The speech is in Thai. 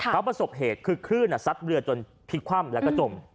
เขาประสบเหตุคือขึ้นสัดเรือจนภิกภ่ำแล้วก็จม